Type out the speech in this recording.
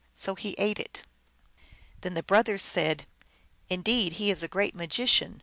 So he ate it. Then the brothers said, " Indeed, he is a great ma gician.